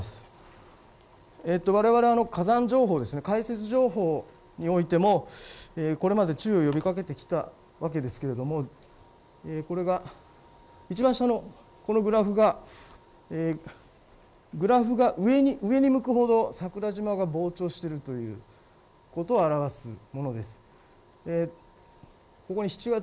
われわれ、火山情報においてもこれまで注意を呼びかけてきたわけですけれどもいちばん下のグラフがグラフが上に向くほど桜島が膨張しているということを表すものです。